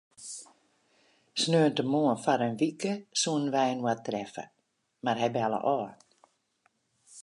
Sneontemoarn foar in wike soene wy inoar treffe, mar hy belle ôf.